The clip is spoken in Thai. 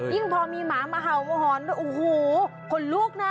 ยิ่งพอมีหมามาเห่ามาหอนโอ้โหขนลุกนะ